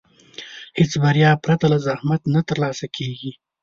هېڅ بریا پرته له زحمت نه ترلاسه کېږي.